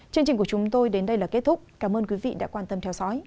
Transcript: chương trình của chúng tôi đến đây là kết thúc cảm ơn quý vị đã quan tâm theo dõi